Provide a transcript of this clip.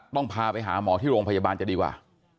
ต้องพาไปหาหมอที่โรงพยาบาลจะดีกว่า